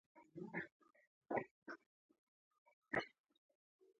د فیزیکي پېژندلو په لحاظ ډبرپېر کې اوسېږي.